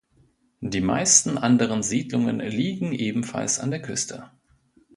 Die meisten anderen Siedlungen liegen ebenfalls an der Küste.